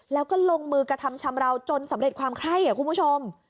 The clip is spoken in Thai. แล้วก็ลงมือกระทำชำราวจนสำเร็จความไข้คุณผู้ชม